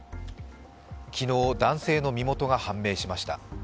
昨日、男性の身元が判明しました。